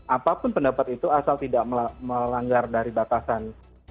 apapun pendapat itu asal tidak melanggar dari batasan